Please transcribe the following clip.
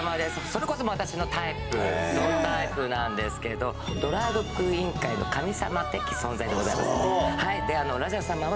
それこそもう私のタイプドタイプなんですけどドラァグクイーン界のでございます